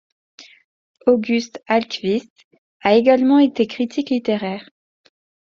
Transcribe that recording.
August Ahlqvist a également été critique littéraire.